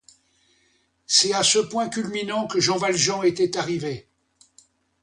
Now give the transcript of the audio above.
C'est à ce point culminant que Jean Valjean était arrivé.